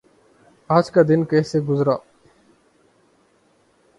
آج کا دن کیسے گزرا؟